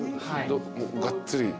がっつり？